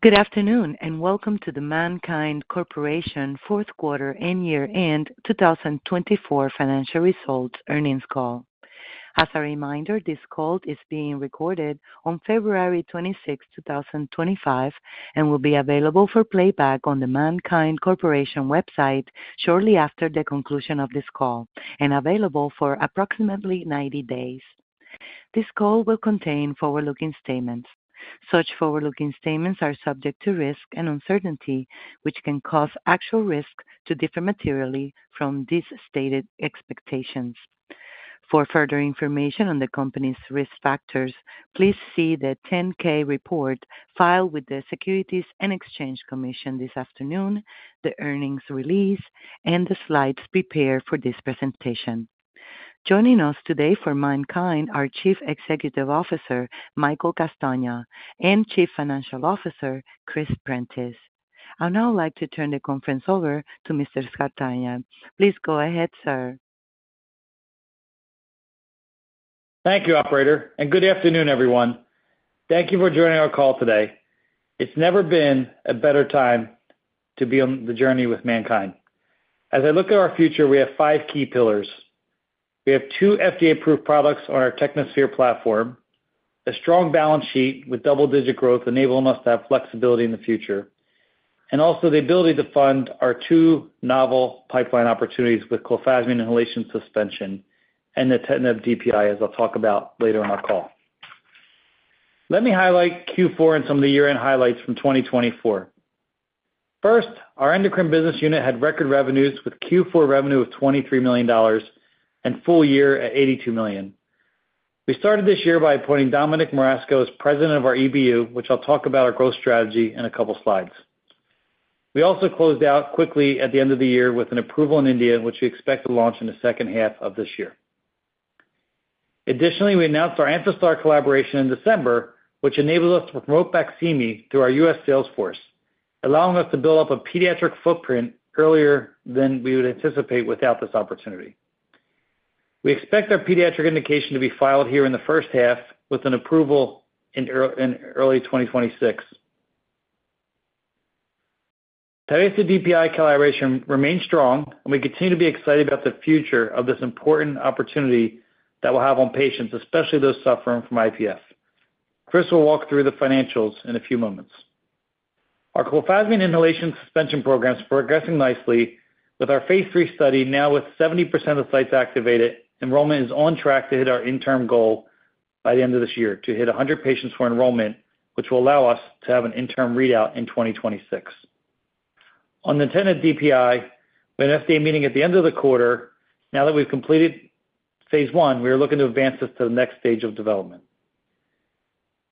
Good afternoon and welcome to the MannKind Corporation Fourth Quarter and Year-End 2024 Financial Results Earnings Call. As a reminder, this call is being recorded on February 26th, 2025, and will be available for playback on the MannKind Corporation website shortly after the conclusion of this call and available for approximately 90 days. This call will contain forward-looking statements. Such forward-looking statements are subject to risk and uncertainty, which can cause actual risk to differ materially from these stated expectations. For further information on the company's risk factors, please see the 10-K report filed with the Securities and Exchange Commission this afternoon, the earnings release, and the slides prepared for this presentation. Joining us today for MannKind are Chief Executive Officer Michael Castagna and Chief Financial Officer Chris Prentiss. I'd now like to turn the conference over to Mr. Castagna. Please go ahead, sir. Thank you, Operator, and good afternoon, everyone. Thank you for joining our call today. It's never been a better time to be on the journey with MannKind. As I look at our future, we have five key pillars. We have two FDA-approved products on our Technosphere platform, a strong balance sheet with double-digit growth enabling us to have flexibility in the future, and also the ability to fund our two novel pipeline opportunities with clofazimine inhalation suspension and the nintedanib DPI, as I'll talk about later in our call. Let me highlight Q4 and some of the year-end highlights from 2024. First, our Endocrine Business Unit had record revenues with Q4 revenue of $23 million and full year at $82 million. We started this year by appointing Dominic Marasco as President of our EBU, which I'll talk about our growth strategy in a couple of slides. We also closed out quickly at the end of the year with an approval in India, which we expect to launch in the second half of this year. Additionally, we announced our Amphastar collaboration in December, which enables us to promote Baqsimi through our U.S. sales force, allowing us to build up a pediatric footprint earlier than we would anticipate without this opportunity. We expect our pediatric indication to be filed here in the first half with an approval in early 2026. The Tyvaso DPI collaboration remains strong, and we continue to be excited about the future of this important opportunity that we'll have on patients, especially those suffering from IPF. Chris will walk through the financials in a few moments. Our clofazimine inhalation suspension programs are progressing nicely with our Phase 3 study now with 70% of sites activated. Enrollment is on track to hit our interim goal by the end of this year to hit 100 patients for enrollment, which will allow us to have an interim readout in 2026. On the Tyvaso DPI, we had an FDA meeting at the end of the quarter. Now that we've completed Phase 1, we are looking to advance this to the next stage of development.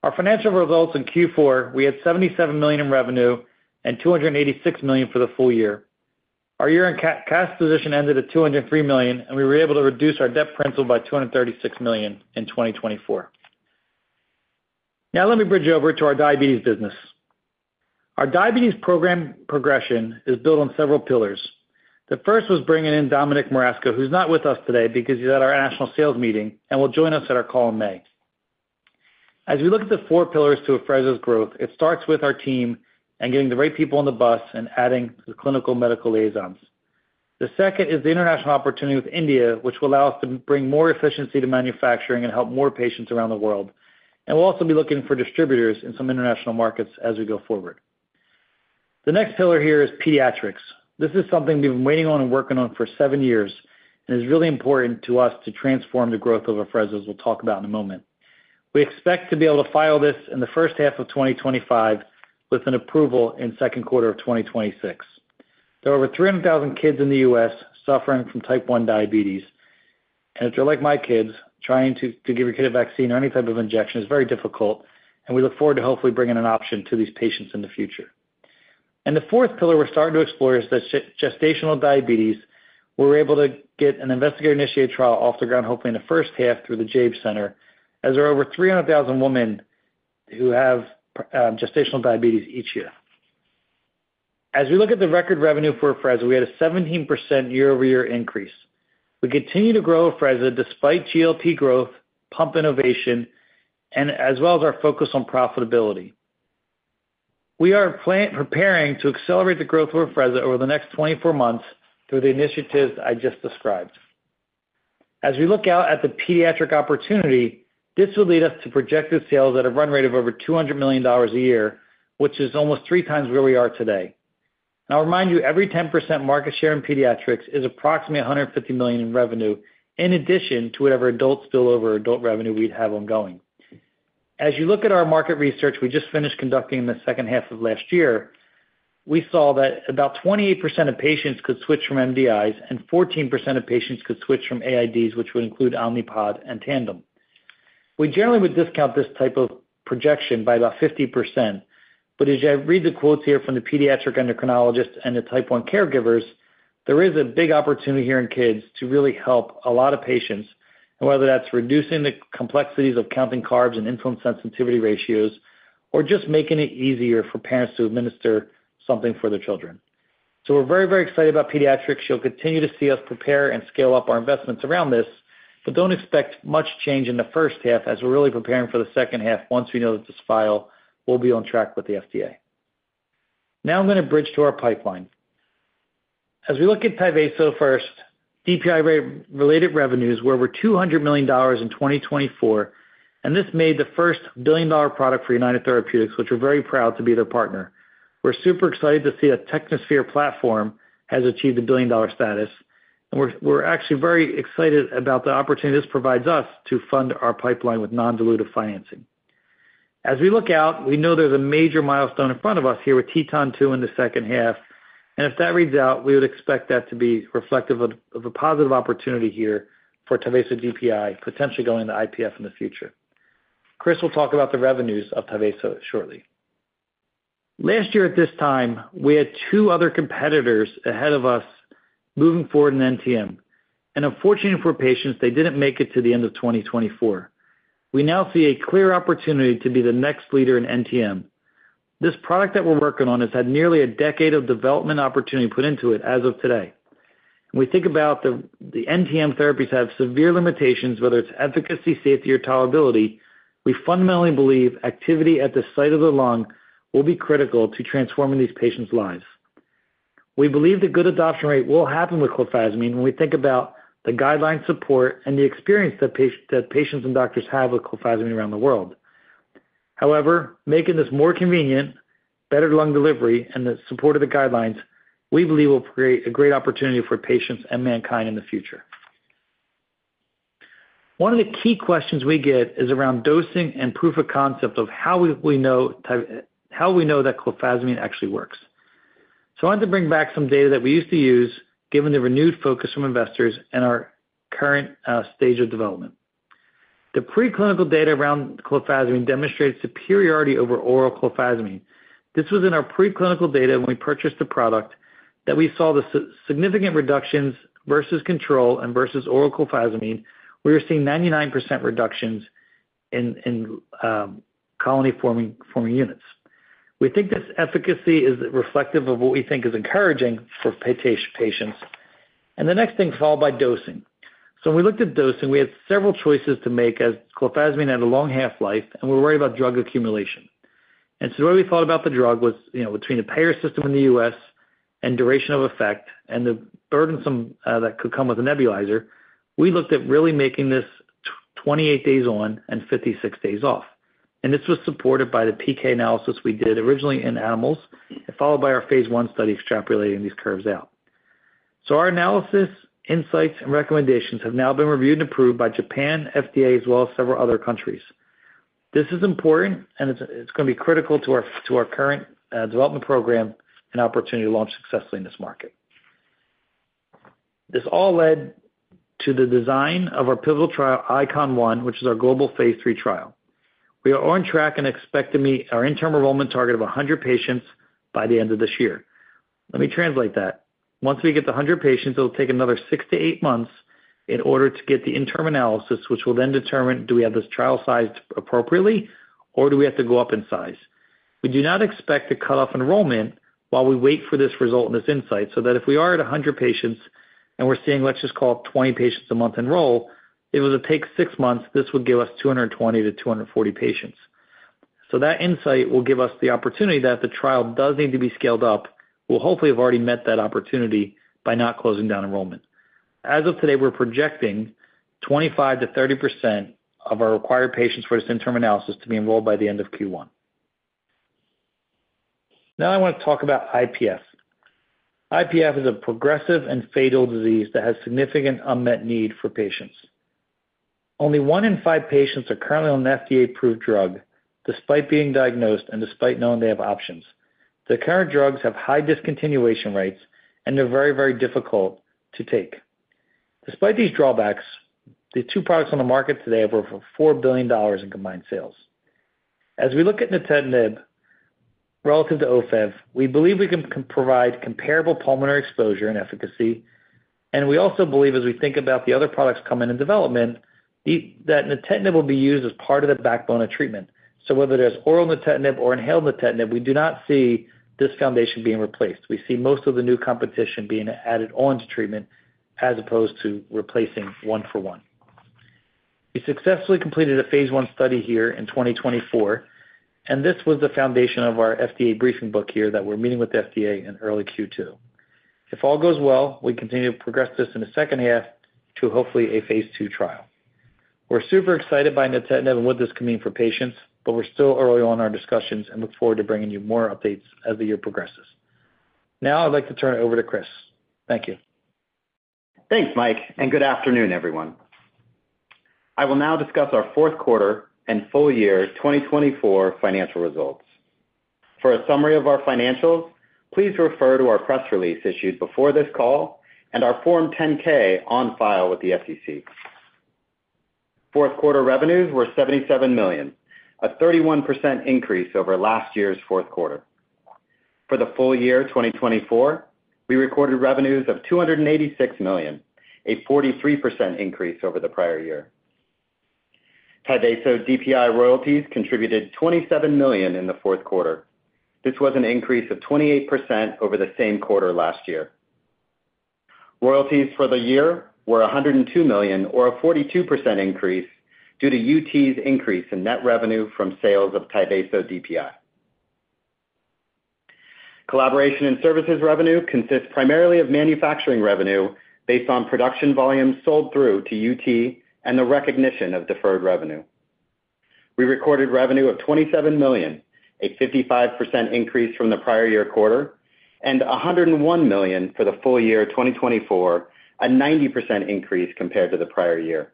Our financial results in Q4, we had $77 million in revenue and $286 million for the full year. Our year-end cash position ended at $203 million, and we were able to reduce our debt principal by $236 million in 2024. Now let me bridge over to our diabetes business. Our diabetes program progression is built on several pillars. The first was bringing in Dominic Marasco, who's not with us today because he's at our national sales meeting and will join us at our call in May. As we look at the four pillars to Afrezza's growth, it starts with our team and getting the right people on the bus and adding the clinical medical liaisons. The second is the international opportunity with India, which will allow us to bring more efficiency to manufacturing and help more patients around the world. And we'll also be looking for distributors in some international markets as we go forward. The next pillar here is pediatrics. This is something we've been waiting on and working on for seven years and is really important to us to transform the growth of Afrezza, as we'll talk about in a moment. We expect to be able to file this in the first half of 2025 with an approval in the second quarter of 2026. There are over 300,000 kids in the U.S. suffering from type 1 diabetes. And if you're like my kids, trying to give your kid a vaccine or any type of injection is very difficult. And we look forward to hopefully bringing an option to these patients in the future. And the fourth pillar we're starting to explore is gestational diabetes. We're able to get an investigator-initiated trial off the ground, hopefully in the first half through the Jaeb Center, as there are over 300,000 women who have gestational diabetes each year. As we look at the record revenue for Afrezza, we had a 17% year-over-year increase. We continue to grow Afrezza despite GLP growth, pump innovation, and as well as our focus on profitability. We are preparing to accelerate the growth of Afrezza over the next 24 months through the initiatives I just described. As we look out at the pediatric opportunity, this will lead us to projected sales at a run rate of over $200 million a year, which is almost three times where we are today. I'll remind you, every 10% market share in pediatrics is approximately $150 million in revenue, in addition to whatever adults spill over adult revenue we'd have ongoing. As you look at our market research we just finished conducting in the second half of last year, we saw that about 28% of patients could switch from MDIs and 14% of patients could switch from AIDs, which would include Omnipod and Tandem. We generally would discount this type of projection by about 50%. As I read the quotes here from the pediatric endocrinologists and the type 1 caregivers, there is a big opportunity here in kids to really help a lot of patients, whether that's reducing the complexities of counting carbs and insulin sensitivity ratios or just making it easier for parents to administer something for their children. So we're very, very excited about pediatrics. You'll continue to see us prepare and scale up our investments around this, but don't expect much change in the first half as we're really preparing for the second half once we know that this file will be on track with the FDA. Now I'm going to bridge to our pipeline. As we look at Tyvaso DPI first, DPI-related revenues were over $200 million in 2024. This made the first billion-dollar product for United Therapeutics, which we're very proud to be their partner. We're super excited to see the Technosphere platform has achieved the billion-dollar status. And we're actually very excited about the opportunity this provides us to fund our pipeline with non-dilutive financing. As we look out, we know there's a major milestone in front of us here with TETON 2 in the second half. And if that reads out, we would expect that to be reflective of a positive opportunity here for Tyvaso DPI, potentially going to IPF in the future. Chris will talk about the revenues of Tyvaso shortly. Last year at this time, we had two other competitors ahead of us moving forward in NTM. And unfortunately for patients, they didn't make it to the end of 2024. We now see a clear opportunity to be the next leader in NTM. This product that we're working on has had nearly a decade of development opportunity put into it as of today, and we think about the NTM therapies have severe limitations, whether it's efficacy, safety, or tolerability. We fundamentally believe activity at the site of the lung will be critical to transforming these patients' lives. We believe the good adoption rate will happen with clofazimine when we think about the guideline support and the experience that patients and doctors have with clofazimine around the world. However, making this more convenient, better lung delivery, and the support of the guidelines, we believe will create a great opportunity for patients and MannKind in the future. One of the key questions we get is around dosing and proof of concept of how we know that clofazimine actually works. So I wanted to bring back some data that we used to use given the renewed focus from investors and our current stage of development. The preclinical data around clofazimine demonstrates superiority over oral clofazimine. This was in our preclinical data when we purchased the product that we saw the significant reductions versus control and versus oral clofazimine. We were seeing 99% reductions in colony-forming units. We think this efficacy is reflective of what we think is encouraging for patients. And the next thing is followed by dosing. So when we looked at dosing, we had several choices to make as clofazimine had a long half-life, and we were worried about drug accumulation. The way we thought about the drug was between the payer system in the U.S. and duration of effect and the burdensome that could come with a nebulizer. We looked at really making this 28 days on and 56 days off. This was supported by the PK analysis we did originally in animals and followed by our Phase 1 study extrapolating these curves out. Our analysis, insights, and recommendations have now been reviewed and approved by Japan, FDA, as well as several other countries. This is important, and it's going to be critical to our current development program and opportunity to launch successfully in this market. This all led to the design of our pivotal trial, ICON-1, which is our global Phase 3 trial. We are on track and expect to meet our interim enrollment target of 100 patients by the end of this year. Let me translate that. Once we get the 100 patients, it'll take another six to eight months in order to get the interim analysis, which will then determine, do we have this trial sized appropriately or do we have to go up in size. We do not expect to cut off enrollment while we wait for this result and this insight so that if we are at 100 patients and we're seeing, let's just call it 20 patients a month enroll, it will take six months. This would give us 220-240 patients. So that insight will give us the opportunity that the trial does need to be scaled up. We'll hopefully have already met that opportunity by not closing down enrollment. As of today, we're projecting 25%-30% of our required patients for this interim analysis to be enrolled by the end of Q1. Now I want to talk about IPF. IPF is a progressive and fatal disease that has significant unmet need for patients. Only one in five patients are currently on an FDA-approved drug despite being diagnosed and despite knowing they have options. The current drugs have high discontinuation rates and are very, very difficult to take. Despite these drawbacks, the two products on the market today have over $4 billion in combined sales. As we look at nintedanib relative to OFEV, we believe we can provide comparable pulmonary exposure and efficacy. And we also believe, as we think about the other products coming in development, that nintedanib will be used as part of the backbone of treatment. So whether there's oral nintedanib or inhaled nintedanib, we do not see this foundation being replaced. We see most of the new competition being added on to treatment as opposed to replacing one for one. We successfully completed a Phase 1 study here in 2024, and this was the foundation of our FDA briefing book here that we're meeting with the FDA in early Q2. If all goes well, we continue to progress this in the second half to hopefully a Phase 2 trial. We're super excited by nintedanib and what this can mean for patients, but we're still early on in our discussions and look forward to bringing you more updates as the year progresses. Now I'd like to turn it over to Chris. Thank you. Thanks, Mike. And good afternoon, everyone. I will now discuss our fourth quarter and full year 2024 financial results. For a summary of our financials, please refer to our press release issued before this call and our Form 10-K on file with the SEC. Fourth quarter revenues were $77 million, a 31% increase over last year's fourth quarter. For the full year 2024, we recorded revenues of $286 million, a 43% increase over the prior year. Tyvaso DPI royalties contributed $27 million in the fourth quarter. This was an increase of 28% over the same quarter last year. Royalties for the year were $102 million, or a 42% increase due to UT's increase in net revenue from sales of Tyvaso DPI. Collaboration and services revenue consists primarily of manufacturing revenue based on production volumes sold through to UT and the recognition of deferred revenue. We recorded revenue of $27 million, a 55% increase from the prior year quarter, and $101 million for the full year 2024, a 90% increase compared to the prior year.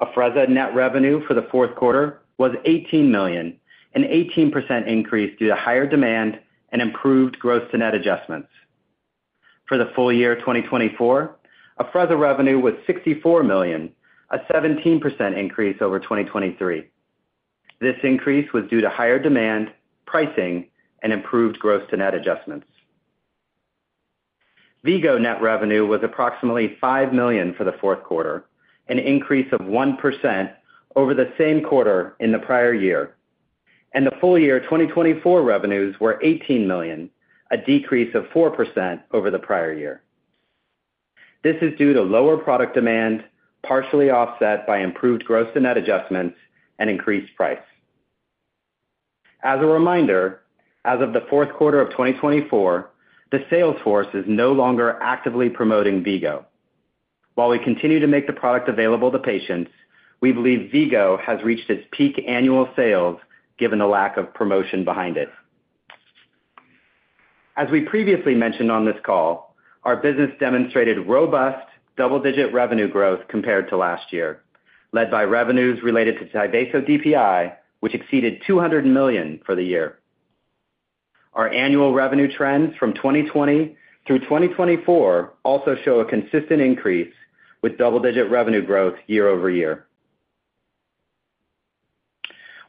Afrezza net revenue for the fourth quarter was $18 million, an 18% increase due to higher demand and improved gross-to-net adjustments. For the full year 2024, Afrezza revenue was $64 million, a 17% increase over 2023. This increase was due to higher demand, pricing, and improved gross-to-net adjustments. V-Go net revenue was approximately $5 million for the fourth quarter, an increase of 1% over the same quarter in the prior year, and the full year 2024 revenues were $18 million, a decrease of 4% over the prior year. This is due to lower product demand, partially offset by improved gross-to-net adjustments, and increased price. As a reminder, as of the fourth quarter of 2024, the sales force is no longer actively promoting V-Go. While we continue to make the product available to patients, we believe V-Go has reached its peak annual sales given the lack of promotion behind it. As we previously mentioned on this call, our business demonstrated robust double-digit revenue growth compared to last year, led by revenues related to Tyvaso DPI, which exceeded $200 million for the year. Our annual revenue trends from 2020 through 2024 also show a consistent increase with double-digit revenue growth year over year.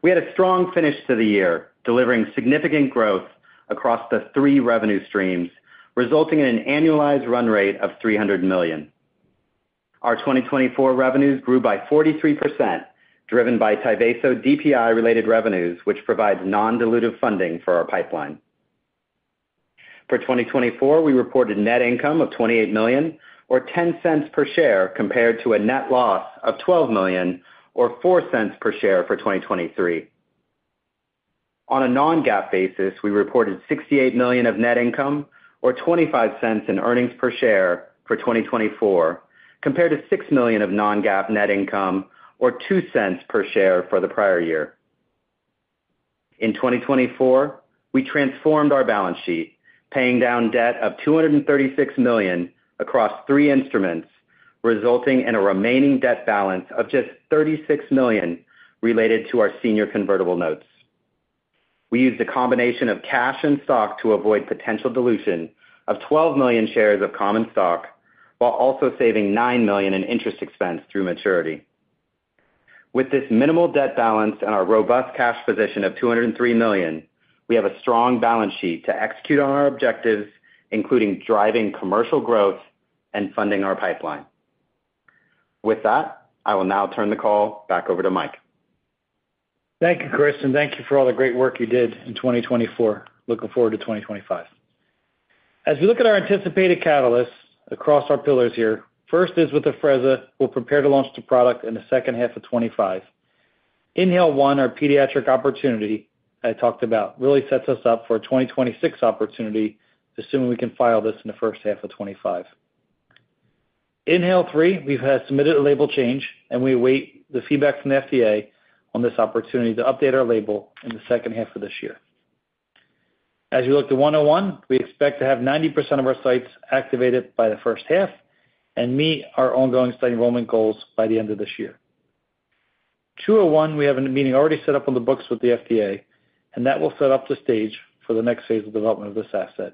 We had a strong finish to the year, delivering significant growth across the three revenue streams, resulting in an annualized run rate of $300 million. Our 2024 revenues grew by 43%, driven by Tyvaso DPI-related revenues, which provides non-dilutive funding for our pipeline. For 2024, we reported net income of $28 million, or $0.10 per share, compared to a net loss of $12 million, or $0.04 per share for 2023. On a non-GAAP basis, we reported $68 million of net income, or $0.25 in earnings per share for 2024, compared to $6 million of non-GAAP net income, or $0.02 per share for the prior year. In 2024, we transformed our balance sheet, paying down debt of $236 million across three instruments, resulting in a remaining debt balance of just $36 million related to our senior convertible notes. We used a combination of cash and stock to avoid potential dilution of 12 million shares of common stock while also saving $9 million in interest expense through maturity. With this minimal debt balance and our robust cash position of $203 million, we have a strong balance sheet to execute on our objectives, including driving commercial growth and funding our pipeline. With that, I will now turn the call back over to Mike. Thank you, Chris, and thank you for all the great work you did in 2024. Looking forward to 2025. As we look at our anticipated catalysts across our pillars here, first is with Afrezza. We'll prepare to launch the product in the second half of 2025. INHALE-1, our pediatric opportunity I talked about, really sets us up for a 2026 opportunity, assuming we can file this in the first half of 2025. INHALE-3, we've submitted a label change, and we await the feedback from the FDA on this opportunity to update our label in the second half of this year. As we look to MNKD-101, we expect to have 90% of our sites activated by the first half and meet our ongoing site enrollment goals by the end of this year. 201, we have a meeting already set up on the books with the FDA, and that will set up the stage for the next phase of development of this asset.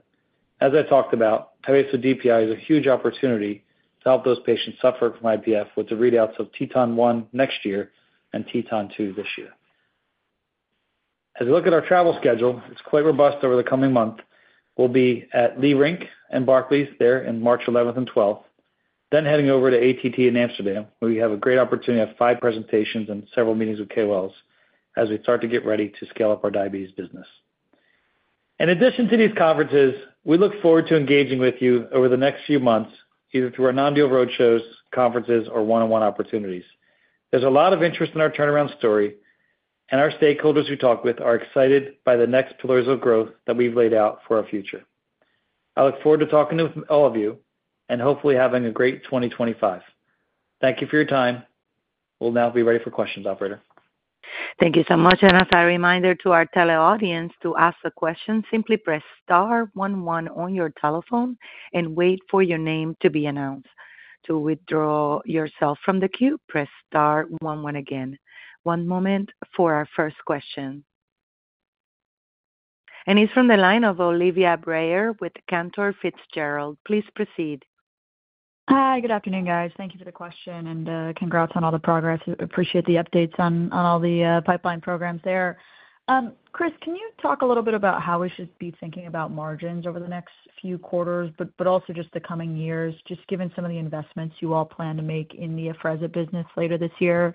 As I talked about, Tyvaso DPI is a huge opportunity to help those patients suffering from IPF with the readouts of TETON 1 next year and TETON 2 this year. As we look at our travel schedule, it's quite robust over the coming month. We'll be at Leerink and Barclays there on March 11th and 12th, then heading over to ATTD in Amsterdam, where we have a great opportunity to have five presentations and several meetings with KOLs as we start to get ready to scale up our diabetes business. In addition to these conferences, we look forward to engaging with you over the next few months, either through our non-deal roadshows, conferences, or one-on-one opportunities. There's a lot of interest in our turnaround story, and our stakeholders we talk with are excited by the next pillars of growth that we've laid out for our future. I look forward to talking with all of you and hopefully having a great 2025. Thank you for your time. We'll now be ready for questions, Operator. Thank you so much. And as a reminder to our tele audience to ask a question, simply press Star 11 on your telephone and wait for your name to be announced. To withdraw yourself from the queue, press Star 11 again. One moment for our first question. And he's from the line of Olivia Brayer with Cantor Fitzgerald. Please proceed. Hi, good afternoon, guys. Thank you for the question and congrats on all the progress. Appreciate the updates on all the pipeline programs there. Chris, can you talk a little bit about how we should be thinking about margins over the next few quarters, but also just the coming years, just given some of the investments you all plan to make in the Afrezza business later this year,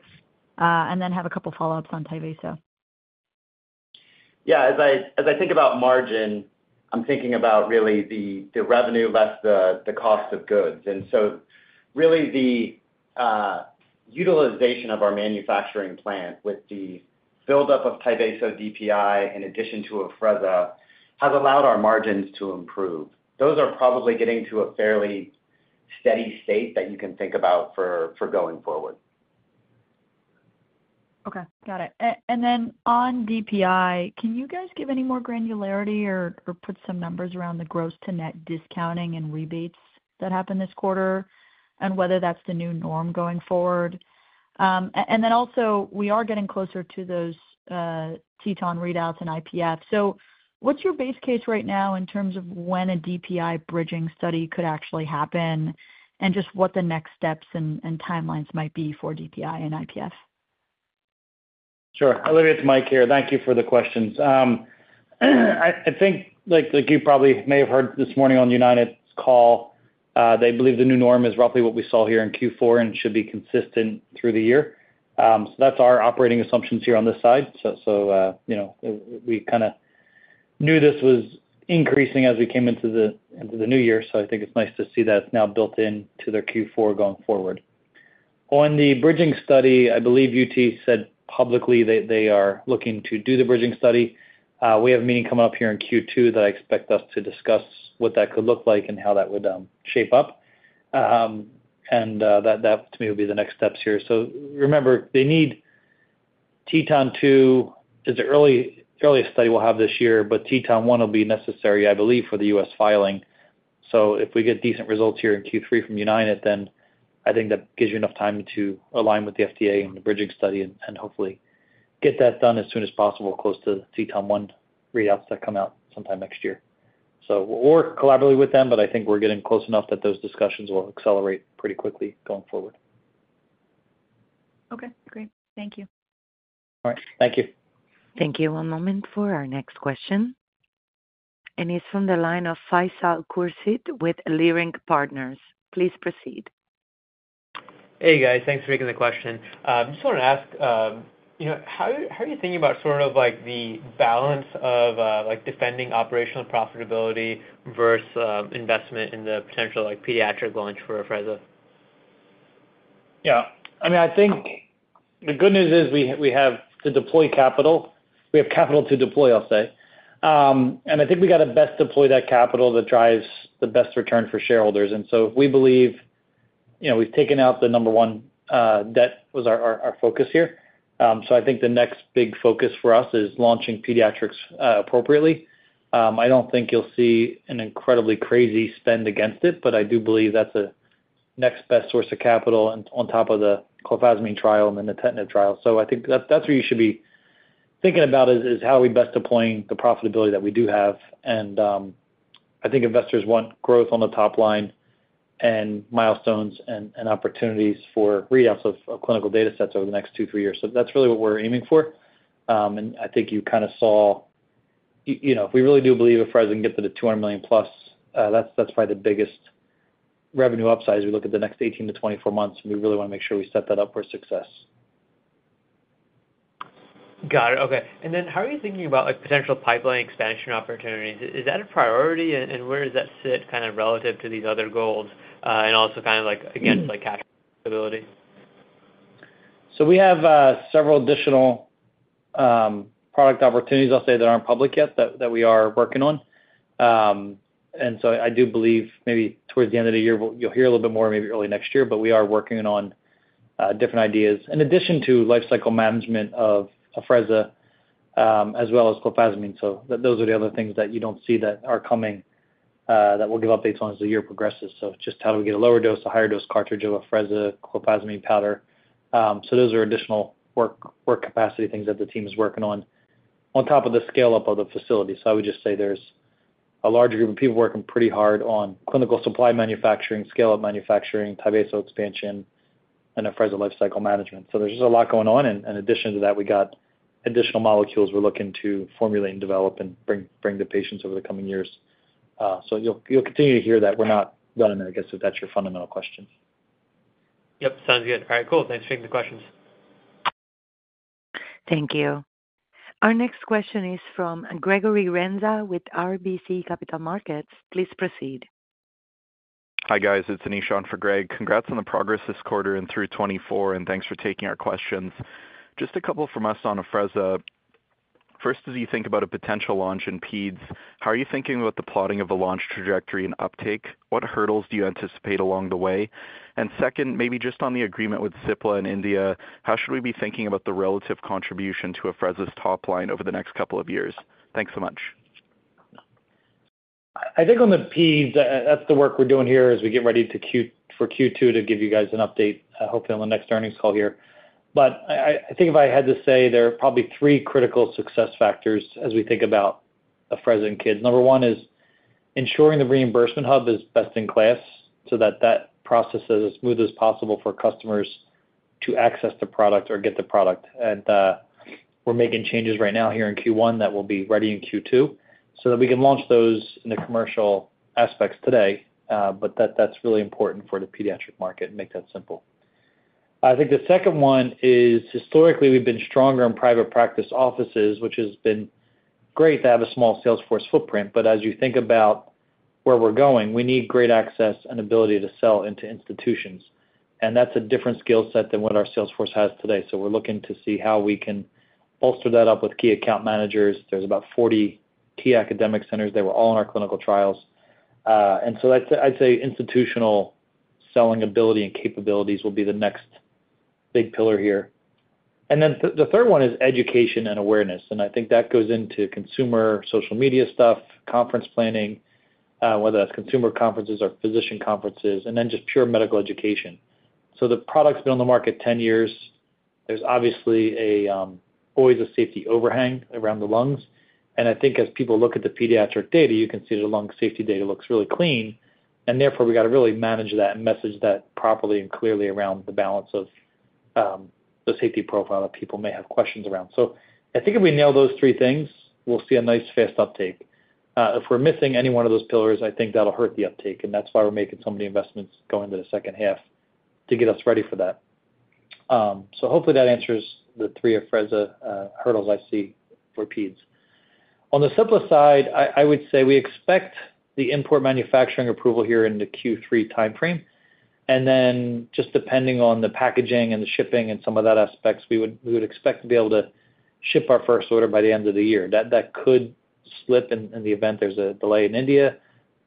and then have a couple of follow-ups on Tyvaso DPI. Yeah. As I think about margin, I'm thinking about really the revenue less the cost of goods. And so really the utilization of our manufacturing plant with the buildup of Tyvaso DPI in addition to Afrezza has allowed our margins to improve. Those are probably getting to a fairly steady state that you can think about for going forward. Okay. Got it. And then on DPI, can you guys give any more granularity or put some numbers around the gross-to-net discounting and rebates that happened this quarter and whether that's the new norm going forward? And then also, we are getting closer to those TETON readouts and IPF. So what's your base case right now in terms of when a DPI bridging study could actually happen and just what the next steps and timelines might be for DPI and IPF? Sure. Olivia to Mike here. Thank you for the questions. I think you probably may have heard this morning on United's call. They believe the new norm is roughly what we saw here in Q4 and should be consistent through the year. So that's our operating assumptions here on this side. So we kind of knew this was increasing as we came into the new year. So I think it's nice to see that it's now built into their Q4 going forward. On the bridging study, I believe UT said publicly that they are looking to do the bridging study. We have a meeting coming up here in Q2 that I expect us to discuss what that could look like and how that would shape up. And that, to me, will be the next steps here. Remember, they need TETON 2 as the earliest study we'll have this year, but TETON 1 will be necessary, I believe, for the U.S. filing. If we get decent results here in Q3 from United, then I think that gives you enough time to align with the FDA and the bridging study and hopefully get that done as soon as possible close to TETON 1 readouts that come out sometime next year. We'll work collaboratively with them, but I think we're getting close enough that those discussions will accelerate pretty quickly going forward. Okay. Great. Thank you. All right. Thank you. Thank you. One moment for our next question, and he's from the line of Faisal Khurshid with Leerink Partners. Please proceed. Hey, guys. Thanks for taking the question. I just wanted to ask, how are you thinking about sort of the balance of defending operational profitability versus investment in the potential pediatric launch for Afrezza? Yeah. I mean, I think the good news is we have to deploy capital. We have capital to deploy, I'll say. And I think we got to best deploy that capital that drives the best return for shareholders. And so we believe we've taken out the number one debt was our focus here. So I think the next big focus for us is launching pediatrics appropriately. I don't think you'll see an incredibly crazy spend against it, but I do believe that's the next best source of capital on top of the clofazimine trial and the nintedanib trial. So I think that's what you should be thinking about is how are we best deploying the profitability that we do have. And I think investors want growth on the top line and milestones and opportunities for readouts of clinical data sets over the next two, three years. So that's really what we're aiming for. And I think you kind of saw if we really do believe Afrezza can get to the 200 million plus, that's probably the biggest revenue upside as we look at the next 18-24 months. And we really want to make sure we set that up for success. Got it. Okay. And then how are you thinking about potential pipeline expansion opportunities? Is that a priority? And where does that sit kind of relative to these other goals and also kind of against capability? So we have several additional product opportunities, I'll say, that aren't public yet that we are working on. And so I do believe maybe towards the end of the year, you'll hear a little bit more, maybe early next year, but we are working on different ideas in addition to lifecycle management of Afrezza as well as clofazimine. So those are the other things that you don't see that are coming that we'll give updates on as the year progresses. So just how do we get a lower dose, a higher dose cartridge of Afrezza clofazimine powder? So those are additional work capacity things that the team is working on on top of the scale-up of the facility. So I would just say there's a large group of people working pretty hard on clinical supply manufacturing, scale-up manufacturing, Tyvaso DPI expansion, and Afrezza lifecycle management. So there's just a lot going on. And in addition to that, we got additional molecules we're looking to formulate and develop and bring to patients over the coming years. So you'll continue to hear that we're not done in there, I guess, if that's your fundamental question. Yep. Sounds good. All right. Cool. Thanks for taking the questions. Thank you. Our next question is from Gregory Renza with RBC Capital Markets. Please proceed. Hi guys. It's Anish for Greg. Congrats on the progress this quarter and through 2024, and thanks for taking our questions. Just a couple from us on Afrezza. First, as you think about a potential launch in peds, how are you thinking about the plotting of a launch trajectory and uptake? What hurdles do you anticipate along the way? And second, maybe just on the agreement with Cipla in India, how should we be thinking about the relative contribution to Afrezza's top line over the next couple of years? Thanks so much. I think on the peds, that's the work we're doing here as we get ready for Q2 to give you guys an update, hopefully on the next earnings call here, but I think if I had to say, there are probably three critical success factors as we think about Afrezza in peds. Number one is ensuring the reimbursement hub is best in class so that that process is as smooth as possible for customers to access the product or get the product, and we're making changes right now here in Q1 that will be ready in Q2 so that we can launch those in the commercial aspects today, but that's really important for the pediatric market and make that simple. I think the second one is historically we've been stronger in private practice offices, which has been great to have a small sales force footprint. But as you think about where we're going, we need great access and ability to sell into institutions. And that's a different skill set than what our sales force has today. So we're looking to see how we can bolster that up with key account managers. There's about 40 key academic centers that were all in our clinical trials. And so I'd say institutional selling ability and capabilities will be the next big pillar here. And then the third one is education and awareness. And I think that goes into consumer social media stuff, conference planning, whether that's consumer conferences or physician conferences, and then just pure medical education. So the product's been on the market 10 years. There's obviously always a safety overhang around the lungs. And I think as people look at the pediatric data, you can see the lung safety data looks really clean. And therefore, we got to really manage that and message that properly and clearly around the balance of the safety profile that people may have questions around. So I think if we nail those three things, we'll see a nice fast uptake. If we're missing any one of those pillars, I think that'll hurt the uptake. And that's why we're making some of the investments going into the second half to get us ready for that. So hopefully that answers the three Afrezza hurdles I see for peds. On the Cipla side, I would say we expect the import manufacturing approval here in the Q3 timeframe. And then just depending on the packaging and the shipping and some of that aspects, we would expect to be able to ship our first order by the end of the year. That could slip in the event there's a delay in India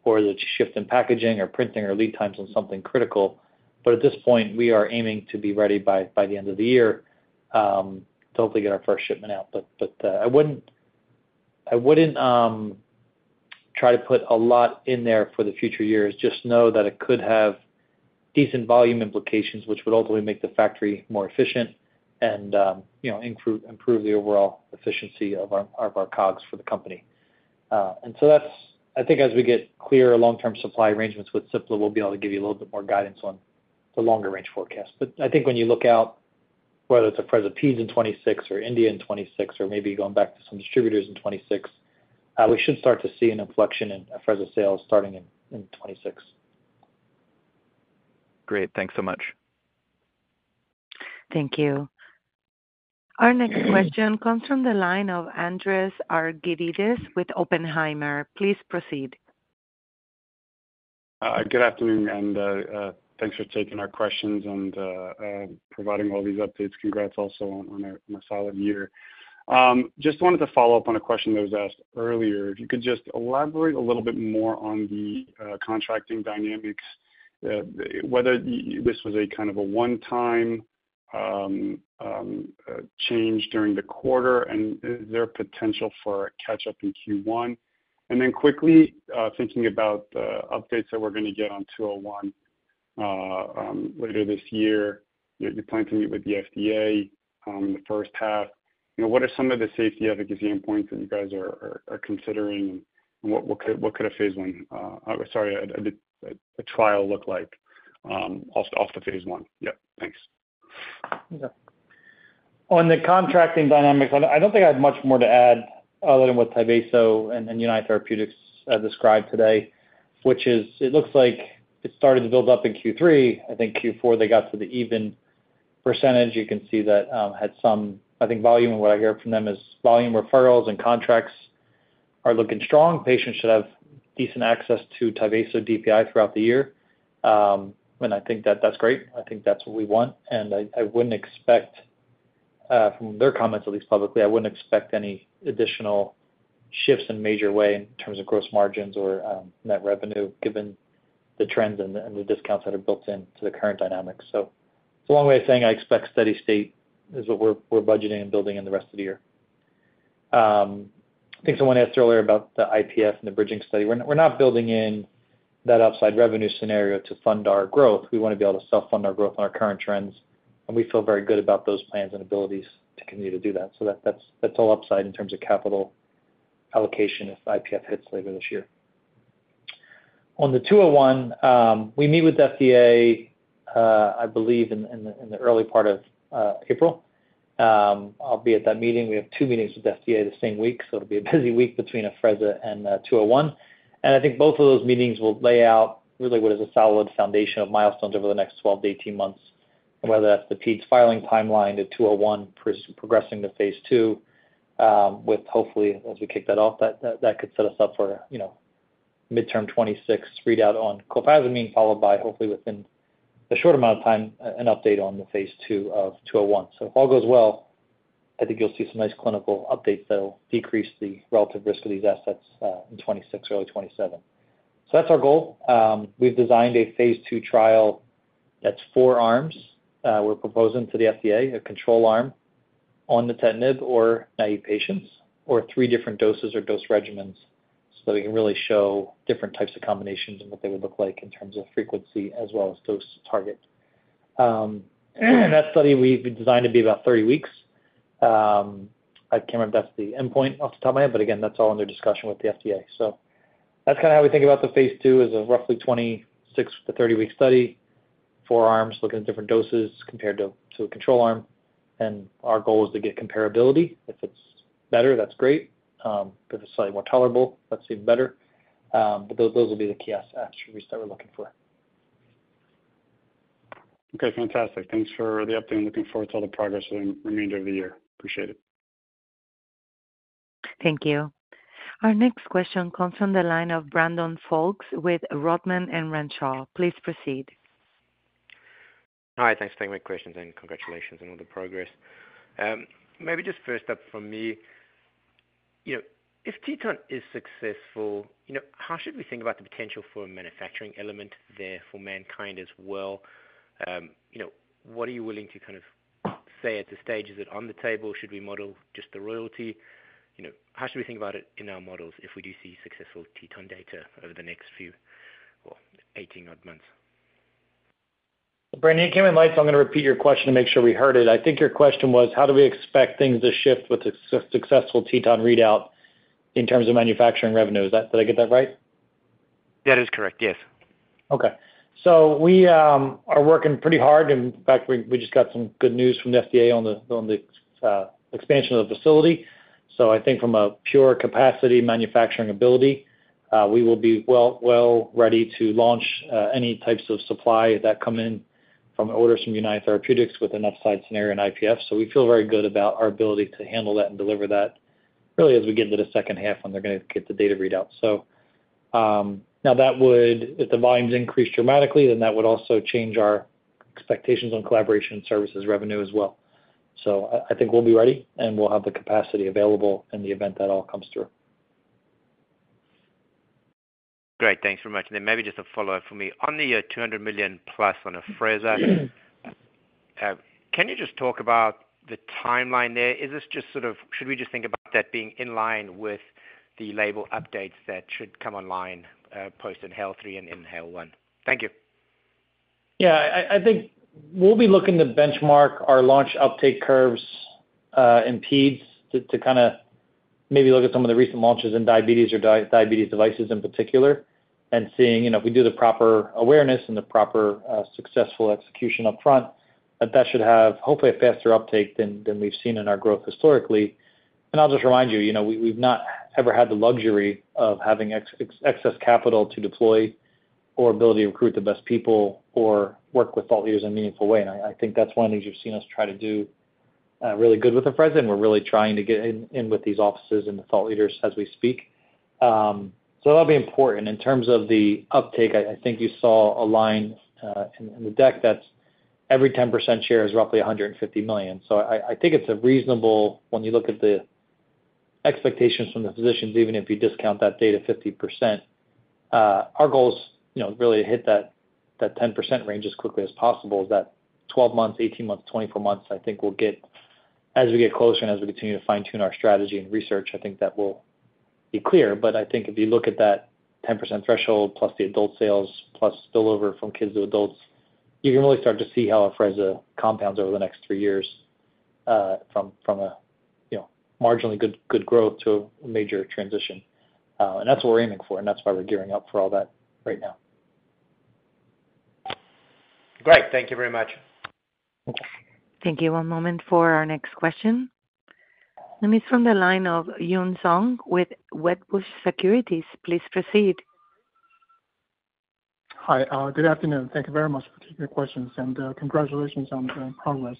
or there's a shift in packaging or printing or lead times on something critical. But at this point, we are aiming to be ready by the end of the year to hopefully get our first shipment out. But I wouldn't try to put a lot in there for the future years. Just know that it could have decent volume implications, which would ultimately make the factory more efficient and improve the overall efficiency of our COGS for the company. And so I think as we get clearer long-term supply arrangements with Cipla, we'll be able to give you a little bit more guidance on the longer-range forecast. But I think when you look out, whether it's Afrezza peds in 2026 or India in 2026, or maybe going back to some distributors in 2026, we should start to see an inflection in Afrezza sales starting in 2026. Great. Thanks so much. Thank you. Our next question comes from the line of Andreas Argyrides with Oppenheimer. Please proceed. Good afternoon, and thanks for taking our questions and providing all these updates. Congrats also on a solid year. Just wanted to follow up on a question that was asked earlier. If you could just elaborate a little bit more on the contracting dynamics, whether this was a kind of a one-time change during the quarter and is there potential for a catch-up in Q1? And then quickly thinking about the updates that we're going to get on 201 later this year, you're planning to meet with the FDA in the first half. What are some of the safety advocacy endpoints that you guys are considering and what could a Phase 1, sorry, a trial look like off the Phase 1? Yep. Thanks. On the contracting dynamics, I don't think I have much more to add other than what Tyvaso DPI and United Therapeutics described today, which is it looks like it started to build up in Q3. I think Q4 they got to the even percentage. You can see that had some, I think, volume, and what I hear from them is volume referrals and contracts are looking strong. Patients should have decent access to Tyvaso DPI throughout the year. And I think that that's great. I think that's what we want. And I wouldn't expect from their comments, at least publicly, I wouldn't expect any additional shifts in major way in terms of gross margins or net revenue given the trends and the discounts that are built into the current dynamics. So it's a long way of saying I expect steady state is what we're budgeting and building in the rest of the year. I think someone asked earlier about the IPF and the bridging study. We're not building in that upside revenue scenario to fund our growth. We want to be able to self-fund our growth on our current trends. And we feel very good about those plans and abilities to continue to do that. So that's all upside in terms of capital allocation if IPF hits later this year. On the 201, we meet with FDA, I believe, in the early part of April. I'll be at that meeting. We have two meetings with FDA the same week. So it'll be a busy week between Afrezza and 201. I think both of those meetings will lay out really what is a solid foundation of milestones over the next 12-18 months, whether that's the peds filing timeline, the 201 progressing to Phase 2, with hopefully, as we kick that off, that could set us up for midterm 2026 readout on clofazimine, followed by hopefully within a short amount of time, an update on the Phase 2 of 201. If all goes well, I think you'll see some nice clinical updates that'll decrease the relative risk of these assets in 2026, early 2027. That's our goal. We've designed a Phase 2 trial that's four arms. We're proposing to the FDA a control arm on nintedanib or naive patients or three different doses or dose regimens so that we can really show different types of combinations and what they would look like in terms of frequency as well as dose target, and that study we've designed to be about 30 weeks. I can't remember if that's the endpoint off the top of my head, but again, that's all under discussion with the FDA, so that's kind of how we think about the Phase 2 as a roughly 26-30-week study, four arms looking at different doses compared to a control arm, and our goal is to get comparability. If it's better, that's great. If it's slightly more tolerable, that's even better, but those will be the key attributes that we're looking for. Okay. Fantastic. Thanks for the update. I'm looking forward to all the progress in the remainder of the year. Appreciate it. Thank you. Our next question comes from the line of Brandon Folkes with Rodman & Renshaw. Please proceed. Hi. Thanks for taking my questions and congratulations on all the progress. Maybe just first up from me, if TETON is successful, how should we think about the potential for a manufacturing element there for MannKind as well? What are you willing to kind of say at this stage? Is it on the table? Should we model just the royalty? How should we think about it in our models if we do see successful TETON data over the next few or 18-odd months? Brandon, you came in late, so I'm going to repeat your question to make sure we heard it. I think your question was, how do we expect things to shift with a successful TETON readout in terms of manufacturing revenue? Did I get that right? That is correct. Yes. Okay. So we are working pretty hard. In fact, we just got some good news from the FDA on the expansion of the facility. So I think from a pure capacity manufacturing ability, we will be well ready to launch any types of supply that come in from orders from United Therapeutics with an upside scenario and IPF. So we feel very good about our ability to handle that and deliver that really as we get into the second half when they're going to get the data readout. So now that would, if the volumes increase dramatically, then that would also change our expectations on collaboration services revenue as well. So I think we'll be ready and we'll have the capacity available in the event that all comes through. Great. Thanks very much. And then maybe just a follow-up for me. On the $200 million plus on Afrezza, can you just talk about the timeline there? Is this just sort of, should we just think about that being in line with the label updates that should come online post-INHALE-3 and INHALE-1? Thank you. Yeah. I think we'll be looking to benchmark our launch uptake curves in peds to kind of maybe look at some of the recent launches in diabetes or diabetes devices in particular and seeing if we do the proper awareness and the proper successful execution upfront, that that should have hopefully a faster uptake than we've seen in our growth historically. And I'll just remind you, we've not ever had the luxury of having excess capital to deploy or ability to recruit the best people or work with thought leaders in a meaningful way. And I think that's one of the things you've seen us try to do really good with Afrezza. We're really trying to get in with these offices and the thought leaders as we speak. So that'll be important. In terms of the uptake, I think you saw a line in the deck that every 10% share is roughly $150 million. So I think it's reasonable when you look at the expectations from the physicians, even if you discount that data 50%. Our goal is really to hit that 10% range as quickly as possible. Is that 12 months, 18 months, 24 months, I think we'll get as we get closer and as we continue to fine-tune our strategy and research, I think that will be clear. But I think if you look at that 10% threshold plus the adult sales plus spillover from kids to adults, you can really start to see how Afrezza compounds over the next three years from a marginally good growth to a major transition. And that's what we're aiming for. And that's why we're gearing up for all that right now. Great. Thank you very much. Thank you. One moment for our next question. It's from the line of Yun Zhong with Wedbush Securities. Please proceed. Hi. Good afternoon. Thank you very much for taking the questions and congratulations on the progress.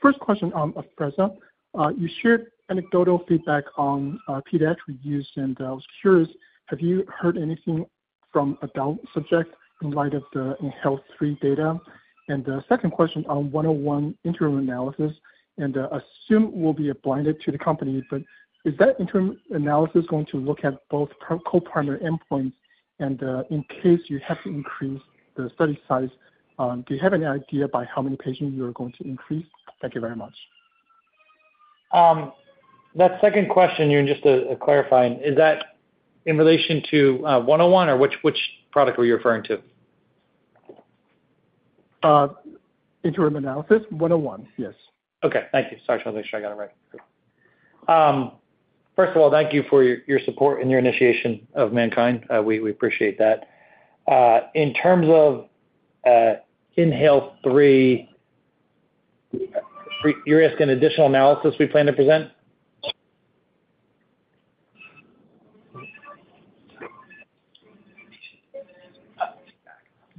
First question on Afrezza. You shared anecdotal feedback on pediatric use, and I was curious, have you heard anything from adult subjects in light of the INHALE-3 data? And the second question on 101 interim analysis, and assume will be a blinded to the company, but is that interim analysis going to look at both co-primary endpoints? And in case you have to increase the study size, do you have any idea by how many patients you are going to increase? Thank you very much. That second question, just to clarify, is that in relation to 101 or which product are you referring to? Interim analysis, 101. Yes. Okay. Thank you. Sorry, I'm not sure I got it right. First of all, thank you for your support and your initiation of MannKind. We appreciate that. In terms of INHALE-3, you're asking additional analysis we plan to present?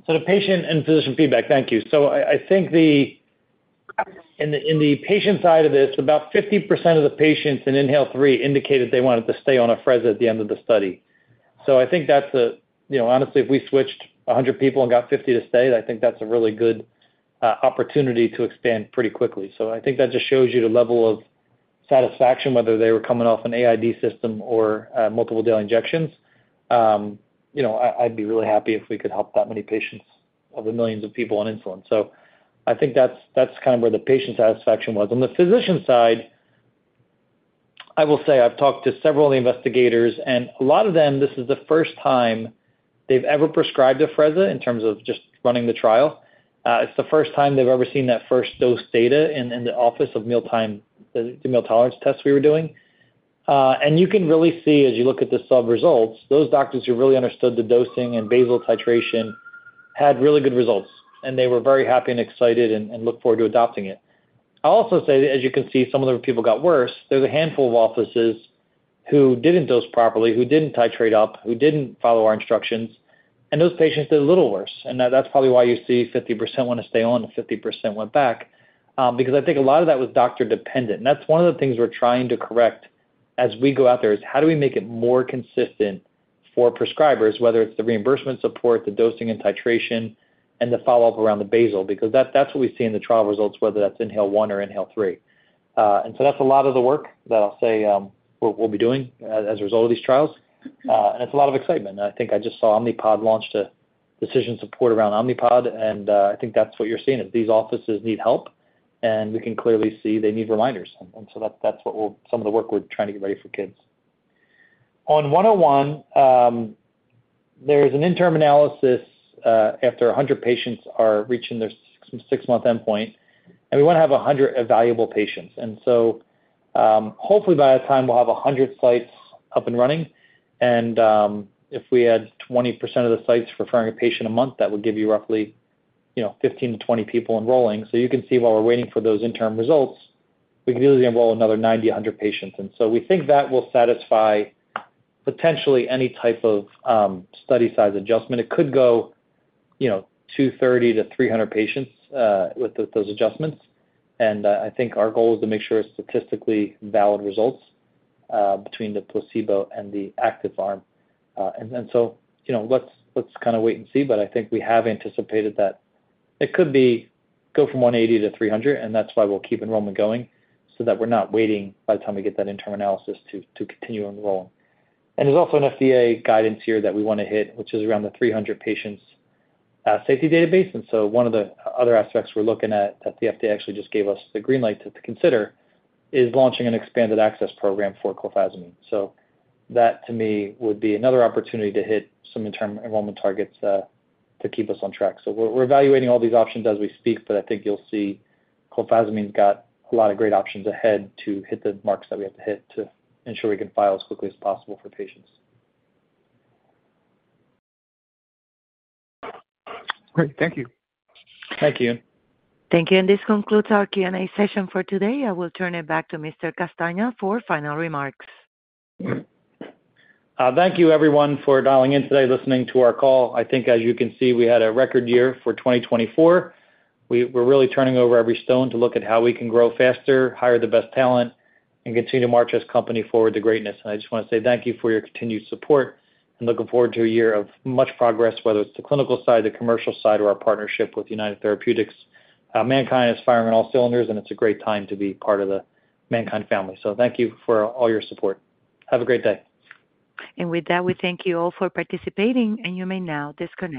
So the patient and physician feedback, thank you. So I think in the patient side of this, about 50% of the patients in INHALE-3 indicated they wanted to stay on Afrezza at the end of the study. So I think that's, honestly, if we switched 100 people and got 50 to stay, I think that's a really good opportunity to expand pretty quickly. So I think that just shows you the level of satisfaction, whether they were coming off an AID system or multiple daily injections. I'd be really happy if we could help that many patients of the millions of people on insulin. So I think that's kind of where the patient satisfaction was. On the physician side, I will say I've talked to several of the investigators, and a lot of them, this is the first time they've ever prescribed Afrezza in terms of just running the trial. It's the first time they've ever seen that first dose data in the office of mealtime, the meal tolerance test we were doing. And you can really see as you look at the subresults, those doctors who really understood the dosing and basal titration had really good results. And they were very happy and excited and looked forward to adopting it. I'll also say that as you can see, some of the people got worse. There's a handful of offices who didn't dose properly, who didn't titrate up, who didn't follow our instructions. And those patients did a little worse. And that's probably why you see 50% want to stay on and 50% went back, because I think a lot of that was doctor-dependent. And that's one of the things we're trying to correct as we go out there is how do we make it more consistent for prescribers, whether it's the reimbursement support, the dosing and titration, and the follow-up around the basal? Because that's what we see in the trial results, whether that's INHALE-1 or INHALE-3. And so that's a lot of the work that I'll say we'll be doing as a result of these trials. And it's a lot of excitement. And I think I just saw Omnipod launched a decision support around Omnipod. And I think that's what you're seeing is these offices need help. And we can clearly see they need reminders. That's some of the work we're trying to get ready for kids. On 101, there's an interim analysis after 100 patients are reaching their six-month endpoint. We want to have 100 evaluable patients. Hopefully by that time, we'll have 100 sites up and running. If we had 20% of the sites referring a patient a month, that would give you roughly 15-20 people enrolling. You can see while we're waiting for those interim results, we can easily enroll another 90-100 patients. We think that will satisfy potentially any type of study size adjustment. It could go 230-300 patients with those adjustments. Our goal is to make sure it's statistically valid results between the placebo and the active arm. Let's kind of wait and see. But I think we have anticipated that it could go from 180 to 300. And that's why we'll keep enrollment going so that we're not waiting by the time we get that interim analysis to continue enrolling. And there's also an FDA guidance here that we want to hit, which is around the 300 patients safety database. And so one of the other aspects we're looking at that the FDA actually just gave us the green light to consider is launching an expanded access program for clofazimine. So that, to me, would be another opportunity to hit some interim enrollment targets to keep us on track. So we're evaluating all these options as we speak, but I think you'll see clofazimine's got a lot of great options ahead to hit the marks that we have to hit to ensure we can file as quickly as possible for patients. Great. Thank you. Thank you. Thank you. This concludes our Q&A session for today. I will turn it back to Mr. Castagna for final remarks. Thank you, everyone, for dialing in today, listening to our call. I think as you can see, we had a record year for 2024. We're really turning over every stone to look at how we can grow faster, hire the best talent, and continue to march as a company forward to greatness. And I just want to say thank you for your continued support and looking forward to a year of much progress, whether it's the clinical side, the commercial side, or our partnership with United Therapeutics. MannKind is firing on all cylinders, and it's a great time to be part of the MannKind family. So thank you for all your support. Have a great day. And with that, we thank you all for participating. And you may now disconnect.